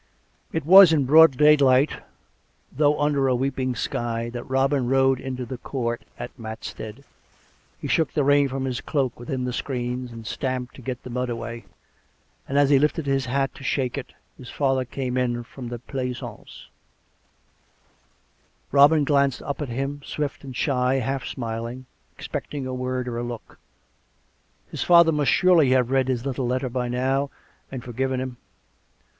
It was in broad daylight, though under a weeping sky, that Robin rode into the court at Matstead. He shook the rain from his cloak within the screens, and stamped to get 54 COME RACK! COME ROPE! the mud away; and, as he lifted his hat to shake it, his father came in from the pleasaunce. Robin glanced up at him, swift and shy, half smiling, expecting a word or a look. His father must surely have read his little letter by now, and forgiven him.